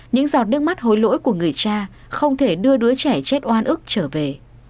những giọt nước mắt hồi lỗi của người cha không thể đưa đứa trẻ chết oan ức trở về